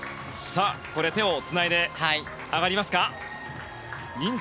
手をつないで上がりますか。